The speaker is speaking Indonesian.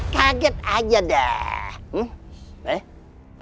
kaget aja dah